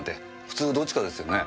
普通どっちかですよね？